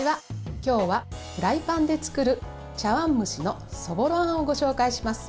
今日はフライパンで作る茶わん蒸しのそぼろあんをご紹介します。